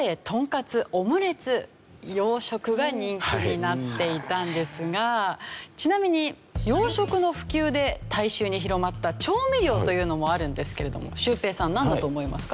洋食が人気になっていたんですがちなみに洋食の普及で大衆に広まった調味料というのもあるんですけれどもシュウペイさんなんだと思いますか？